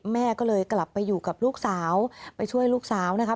แม่ก็เลยกลับไปอยู่กับลูกสาวไปช่วยลูกสาวนะคะ